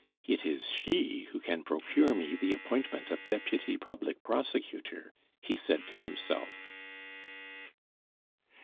"It is she who can procure me the appointment of deputy public prosecutor," he said to himself.